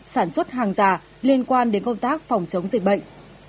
sản xuất hàng giả liên quan đến công tác phòng chống dịch bệnh